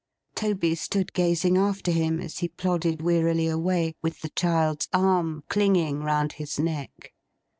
Toby stood gazing after him as he plodded wearily away, with the child's arm clinging round his neck.